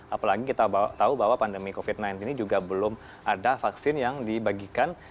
apalagi kita tahu bahwa pandemi covid sembilan belas ini juga belum ada vaksin yang dibagikan